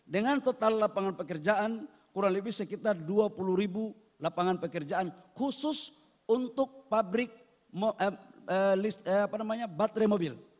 dengan total lapangan pekerjaan kurang lebih sekitar dua puluh ribu lapangan pekerjaan khusus untuk pabrik baterai mobil